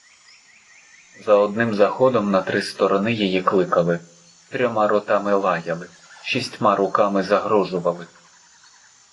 За одним заходом на три сторони її кликали, трьома ротами лаяли, шістьма руками загрожували!